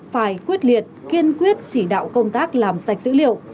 phải quyết liệt kiên quyết chỉ đạo công tác làm sạch dữ liệu